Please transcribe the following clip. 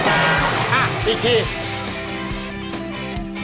อ่ะอีกที